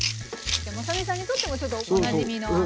まさみさんにとってもおなじみの。